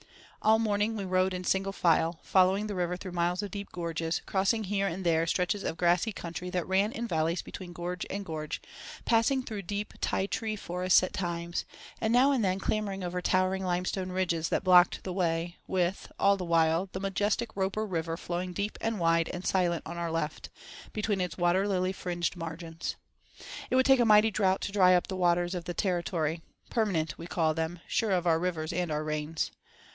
All morning we rode in single file, following the river through miles of deep gorges, crossing here and there stretches of grassy country that ran in valleys between gorge and gorge, passing through deep Ti Tree forests at times, and now and then clambering over towering limestone ridges that blocked the way, with, all the while, the majestic Roper river flowing deep and wide and silent on our left, between its water lily fringed margins. It would take a mighty drought to dry up the waters of the Territory—permanent, we call them, sure of our rivers and our rains.